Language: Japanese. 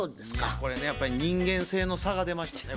これねやっぱり人間性の差が出ましたね